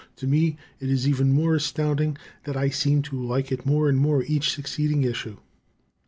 To me it is even more astounding that I seem to like it more and more each succeeding issue.